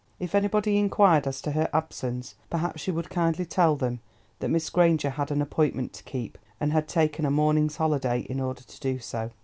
If anybody inquired as to her absence, perhaps she would kindly tell them that Miss Granger had an appointment to keep, and had taken a morning's holiday in order to do so.